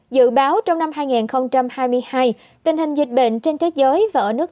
dự báo trong năm hai nghìn hai mươi hai tình hình dịch bệnh trên thế giới và ở nước